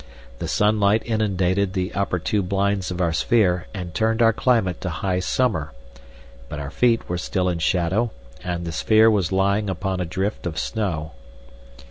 The sunlight inundated the upper two blinds of our sphere and turned our climate to high summer, but our feet were still in shadow, and the sphere was lying upon a drift of snow.